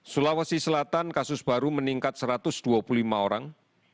sulawesi selatan kasus baru meningkat satu ratus dua puluh lima orang